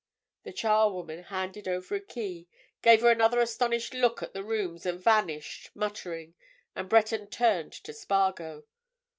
The charwoman handed over a key, gave another astonished look at the rooms, and vanished, muttering, and Breton turned to Spargo.